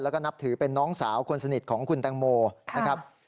แล้วก็นับถือเป็นน้องสาวคนสนิทของคุณแตงโมนะครับ